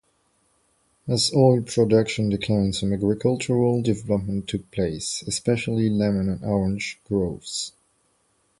As oil production declined, some agricultural development took place, especially lemon and orange groves.